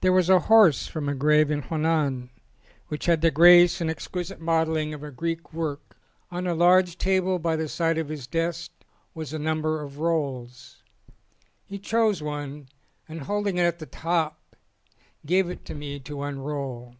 There was a horse from a grave in Honan which had the grace and the exquisite modelling THE CABINET MINISTER of a Greek wort. On a large table by the side of his desk was a number of rolls. He chose one and holding it at the top gave it to me to unroll.